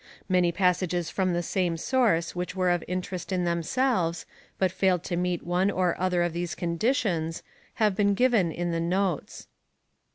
Many passages from the same source which were of interest in themselves, but failed to meet one or other of these conditions, have been given in the notes.